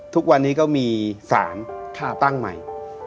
ทุกวันนี้ก็มีสารตั้งใหม่